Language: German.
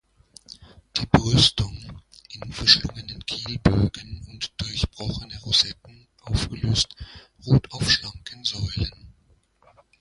Die Brüstung, in verschlungenen Kielbögen und durchbrochene Rosetten aufgelöst, ruht auf schlanken Säulen.